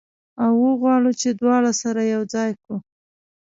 او وغواړو چې دواړه سره یو ځای کړو.